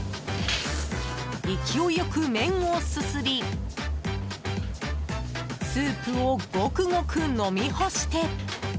勢いよく麺をすすりスープをゴクゴク飲み干して。